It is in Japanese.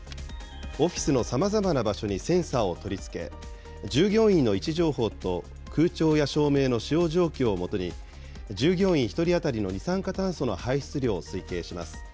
オフィスのさまざまな場所にセンターを取り付け、従業員の位置情報と空調や照明の使用状況をもとに、従業員１人当たりの二酸化炭素の排出量を推計します。